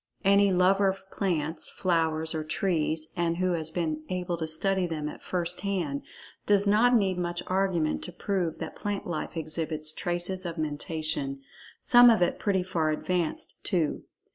Any lover of plants, flowers or trees, and who has been able to study them at first hand, does not need much argument to prove that plant life exhibits traces of Mentation, some of it pretty far advanced, too.